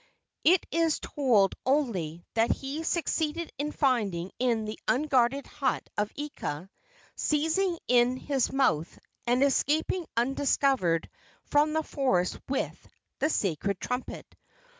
It is told only that he succeeded in finding in the unguarded hut of Ika, seizing in his mouth, and escaping undiscovered from the forest with, the sacred trumpet.